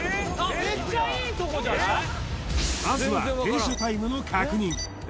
まずは停車タイムの確認